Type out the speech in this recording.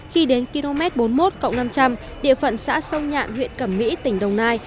khi đến km bốn mươi một năm trăm linh địa phận xã sông nhạn huyện cẩm mỹ tỉnh đồng nai